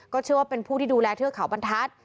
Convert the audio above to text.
เชื่อว่าเป็นผู้ที่ดูแลเทือกเขาบรรทัศน์